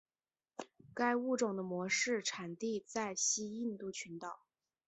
该物种的模式产地在西印度群岛。